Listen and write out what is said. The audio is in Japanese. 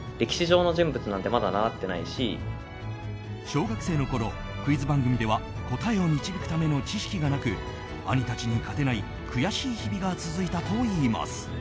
小学生のころ、クイズ番組では答えを導くための知識がなく兄たちに勝てない悔しい日々が続いたといいます。